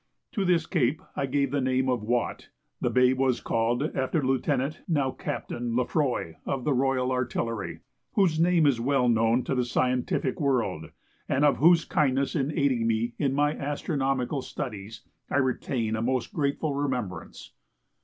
To this cape I gave the name of Watt. The bay was called after Lieut. (now Captain) Lefroy of the Royal Artillery, whose name is well known to the scientific world, and of whose kindness in aiding me in my astronomical studies I retain a most grateful remembrance.